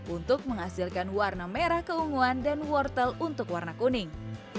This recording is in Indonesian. untuk menghasilkan warna merah keunguan dan wortel untuk warna kuning